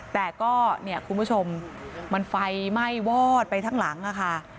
แต่ก็คุณผู้ชมมันไฟไหม้วอดไปทั้งหลังนะคะ